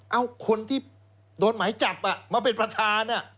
เอาคนที่โดนหมายจับมาเป็นประธาน